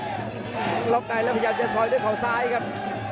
ปานเพชรล็อกไนต์และพยายามจะซอยด้วยขาวซ้ายครับ